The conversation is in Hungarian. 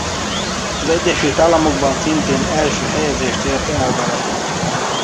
Az Egyesült Államokban szintén első helyezést ért el vele.